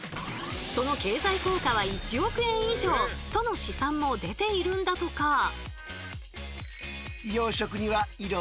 その経済効果は１億円以上との試算も出ているんだとか。